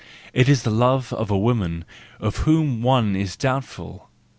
It is the love of a woman of whom one is doubtful.